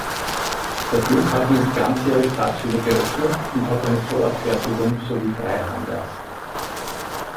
Der Flughafen ist ganzjährig tagsüber geöffnet und hat eine Zollabfertigung sowie drei Hangars.